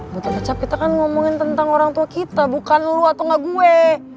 betul kecap kita kan ngomongin tentang orang tua kita bukan lu atau gak gue